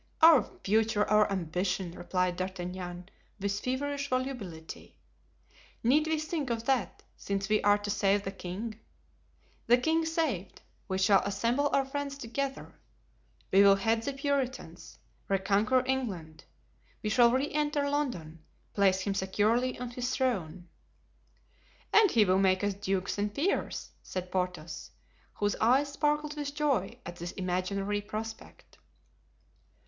"Our future, our ambition!" replied D'Artagnan, with feverish volubility. "Need we think of that since we are to save the king? The king saved—we shall assemble our friends together—we will head the Puritans—reconquer England; we shall re enter London—place him securely on his throne——" "And he will make us dukes and peers," said Porthos, whose eyes sparkled with joy at this imaginary prospect.